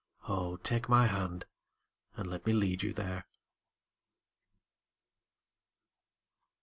Oh, take my hand and let me lead you there.